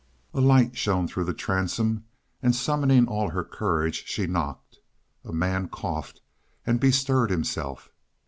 A light shone through the transom, and, summoning all her courage, she knocked. A man coughed and bestirred himself.